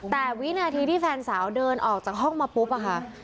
แต่วินาทีที่แฟนสาวเดินออกจากห้องมาปุ๊บอะค่ะ